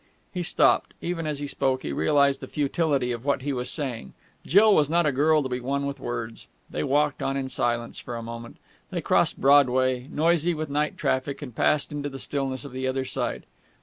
He stopped. Even as he spoke, he realized the futility of what he was saying. Jill was not a girl to be won with words. They walked on in silence for a moment. They crossed Broadway, noisy with night traffic, and passed into the stillness on the other side.